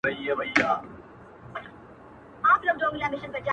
چا به ویل چي یوه ورځ به داسي هم ووینو٫